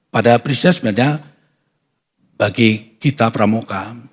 pada prinsipnya sebenarnya bagi kita pramuka